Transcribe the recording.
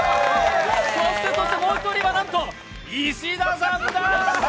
そしてそして、もう一人はなんと石田さんだ！